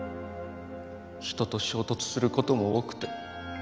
人と衝突する事も多くて。